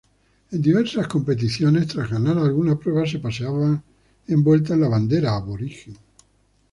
En diversas competiciones, tras ganar alguna prueba se paseaba envuelta en la bandera aborigen.